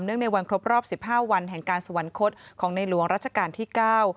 ในวันครบรอบสิบห้าวันแห่งการสวรรคตของในหลวงรัชกาลที่เก้า